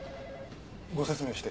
ご説明して。